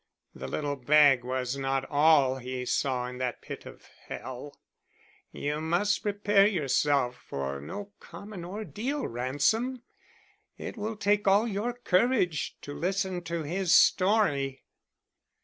The little bag was not all he saw in that pit of hell. You must prepare yourself for no common ordeal, Ransom; it will take all your courage to listen to his story."